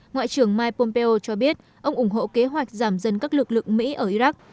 ngoại trưởng mike pompeo cho biết ông ủng hộ kế hoạch giảm dân các lực lượng mỹ ở iraq